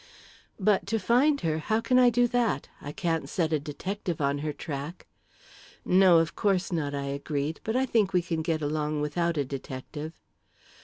"But to find her how can I do that? I can't set a detective on her track." "No, of course not," I agreed; "but I think we can get along without a detective."